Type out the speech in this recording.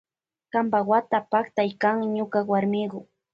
Kampa wata paktay kan ñuka warmiku.